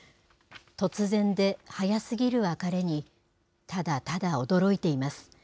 突然で早すぎる別れに、ただただ驚いています。